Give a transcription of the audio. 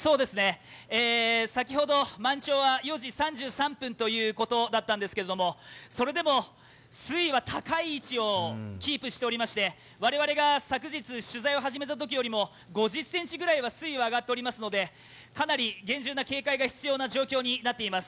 先ほど、満潮は４時３３分ということだったんですけど、それでも水位は高い位置をキープしておりまして我々が昨日取材を始めたときより５０ｃｍくらいは水位が上がっておりますので、かなり厳重な警戒が必要な状況になっています